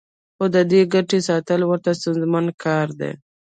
خو د دې ګټې ساتل ورته ستونزمن کار دی